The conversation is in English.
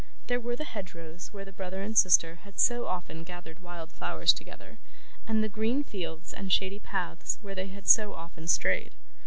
There were the hedgerows where the brother and sister had so often gathered wild flowers together, and the green fields and shady paths where they had so often strayed.